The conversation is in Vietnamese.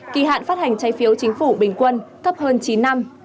kỳ hạn phát hành trái phiếu chính phủ bình quân thấp hơn chín năm